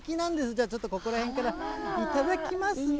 じゃあちょっと、ここらへんから頂きますね。